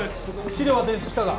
資料は提出したか？